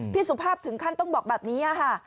พี่สุภาพถึงขั้นต้องบอกแบบนี้